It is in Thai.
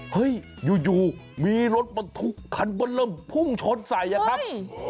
เฮ้ยอยู่มีรถบรรทุกคันบนเริ่มพุ่งชนใส่อะครับ